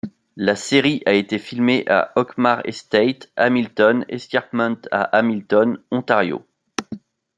La série a été filmée à Auchmar Estate, Hamilton Escarpment à Hamilton, Ontario.